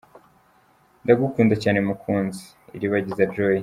Ndagukunda cyane mukunzi , Iribagiza Joy.